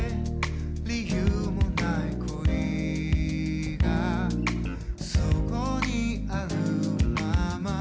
「理由もない恋がそこにあるまま」